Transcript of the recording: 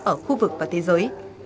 ở khu vực và thế giới